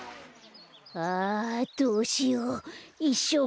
あどうしよういっしょう